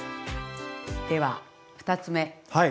では２つ目はい。